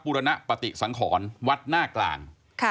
บุฏนปฏิสังขรวัดนากลาง